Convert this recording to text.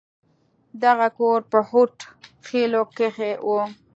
دغه کور په هود خيلو کښې و.